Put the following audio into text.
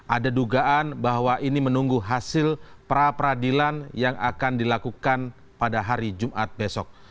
ada dugaan bahwa ini menunggu hasil pra peradilan yang akan dilakukan pada hari jumat besok